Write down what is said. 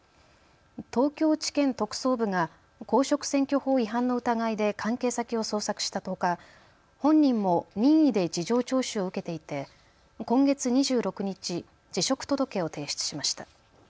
東京地検特捜部が公職選挙法違反の疑いで関係先を捜索したほか本人も任意で事情聴取を受けていて今月２６日辞職届を提出しました。